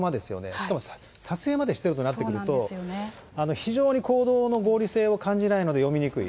しかも撮影までしてるとなると、非常に行動の合理性を感じないので読みにくい。